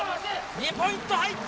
２ポイント入った！